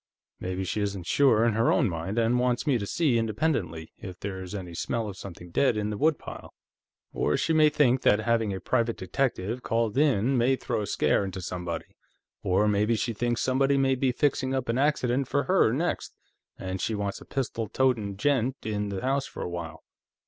Maybe she isn't sure in her own mind, and wants me to see, independently, if there's any smell of something dead in the woodpile. Or, she may think that having a private detective called in may throw a scare into somebody. Or maybe she thinks somebody may be fixing up an accident for her, next, and she wants a pistol totin' gent in the house for a while.